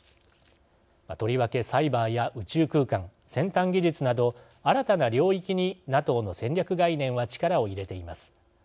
とりわけ、サイバーや宇宙空間先端技術など、新たな領域にＮＡＴＯの戦略概念は力を入れています。